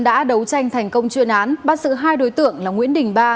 đã đấu tranh thành công chuyên án bắt giữ hai đối tượng là nguyễn đình ba